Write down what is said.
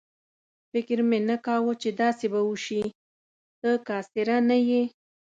فکر مې نه کاوه چې داسې به وشي، ته کاسېره نه یې.